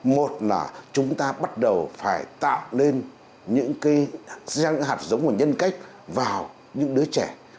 một là chúng ta bắt đầu phải tạo lên những hạt giống và nhân cách vào những đứa trẻ